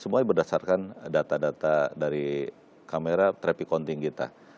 semuanya berdasarkan data data dari kamera traffic counting kita